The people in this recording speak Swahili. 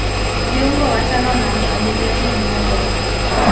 viungo watano na mshambuliaji mmoja